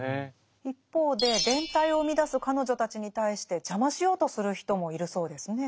一方で連帯を生み出す彼女たちに対して邪魔しようとする人もいるそうですね。